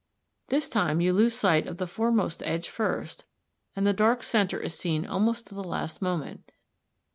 This time you lose sight of the foremost edge first, and the dark centre is seen almost to the last moment.